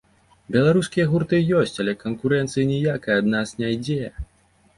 Беларускія гурты ёсць, але канкурэнцыі ніякай ад нас не ідзе.